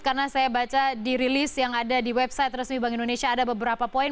karena saya baca di release yang ada di website transformasi bank indonesia ada beberapa poin